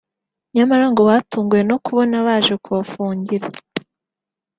nyamara ngo batunguwe no kubona baje kubafungira